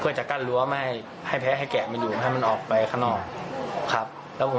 เพื่อจะกั้นรั้วให้แภ้เราออกไปข้างหน้าเขาฝังสาวเพื่อจะกั้นรั้วให้แภ้เราออกไปข้างหน้า